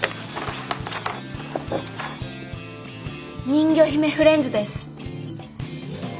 人魚姫フレンズです。